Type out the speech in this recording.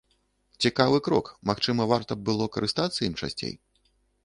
Цікавы крок, магчыма, варта б было карыстацца ім часцей.